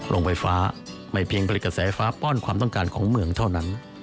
โรงไฟฟ้าไม่เพียงผลิตกระแสไฟฟ้าป้อนความต้องการของเมืองเท่านั้น